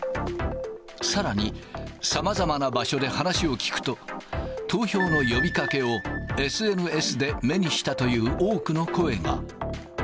さらに、さまざまな場所で話を聞くと、投票の呼びかけをＳＮＳで目にしたという多くの声が。